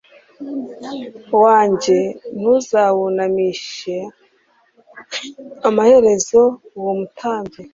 wanjye ntuzawunamisha Amaherezo uwo mutambyi